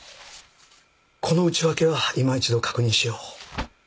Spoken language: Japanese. この内訳は今一度確認しよう